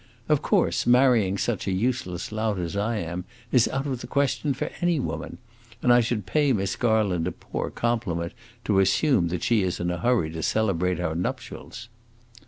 Of course, marrying such a useless lout as I am is out of the question for any woman, and I should pay Miss Garland a poor compliment to assume that she is in a hurry to celebrate our nuptials."